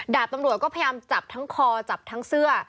ดาบตำรวจก็พยายามจับทั้งคอจับทั้งเสื้อ